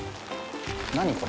何これ。